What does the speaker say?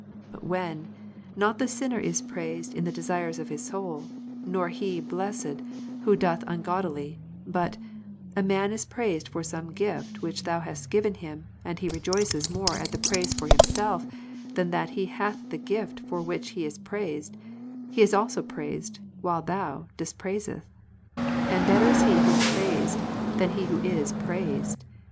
Ps. 9, 29. But when — not the sinner isjjraised in the desires of his soul, Pb^ 10 3 ^°^'^® blessed who doth ungodlily, but — a man is praised for some gift which Thou hast given him, and he rejoices more at the praise for himself than that he hath the gift for which he is praised, he also is praised, while Thou dispraisest ; and better is he who praised than he who is praised.